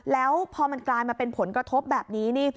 แล้วพอมันกลายมาเป็นผลกระทบแบบนี้นี่